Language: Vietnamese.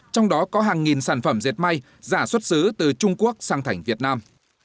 trong đó có hàng nghìn sản phẩm dệt may giả xuất xứ từ trung quốc sang thành việt nam